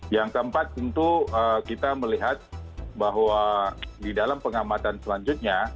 yang keempat tentu kita melihat bahwa di dalam pengamatan selanjutnya